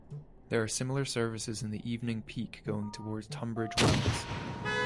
There are similar services in the evening peak going towards Tunbridge Wells.